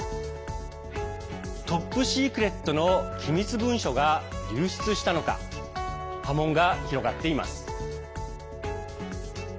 トップ・シークレットの機密文書が流出したのか波紋が広がっています。